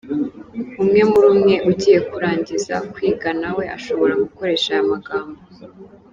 Umwe muri umwe ugiye kurangiza kwiga nawe ashobora gukoresha aya magambo.